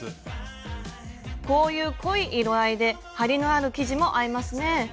こういう濃い色合いで張りのある生地も合いますね。